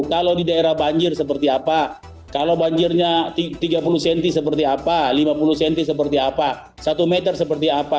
kalau di daerah banjir seperti apa kalau banjirnya tiga puluh cm seperti apa lima puluh cm seperti apa satu meter seperti apa